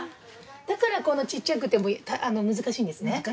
だからこんなちっちゃくても難しいんですね。